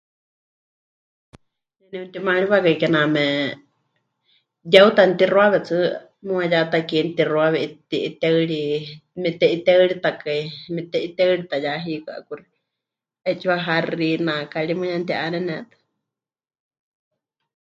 Ne nepɨtimaariwakai kename yeuta mɨtixuawe tsɨ, muuwa ya takie mɨtixuawe mɨti'iteɨri mete'iteɨritakai, memɨte'iteɨrita ya hiikɨ 'akuxi, 'eetsiwa haxi, naakari, mɨɨkɨ ya mɨti'ánene tɨ.